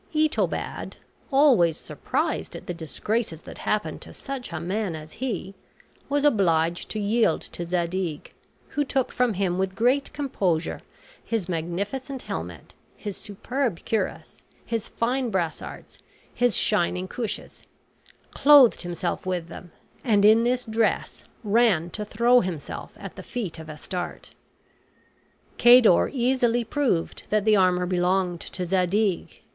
Itobad, always surprised at the disgraces that happened to such a man as he, was obliged to yield to Zadig, who took from him with great composure his magnificent helmet, his superb cuirass, his fine brassarts, his shining cuishes; clothed himself with them, and in this dress ran to throw himself at the feet of Astarte. Cador easily proved that the armor belonged to Zadig.